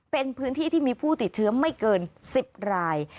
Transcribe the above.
เป็นพื้นที่ที่มีผู้ติดเชื้อไม่เกิน๑๐ราย